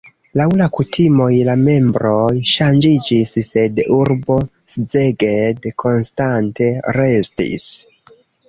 Laŭ la kutimoj la membroj ŝanĝiĝis, sed urbo Szeged konstante restis.